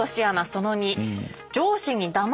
その２。